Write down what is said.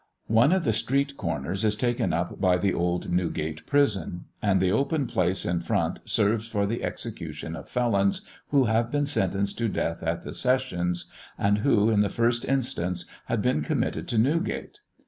One of the street corners is taken up by the old Newgate Prison; and the open place in front serves for the execution of felons who have been sentenced to death at the Sessions, and who, in the first instance, had been committed to Newgate.